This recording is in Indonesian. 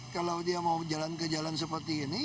kalau dia mau jalan kejalan seperti ini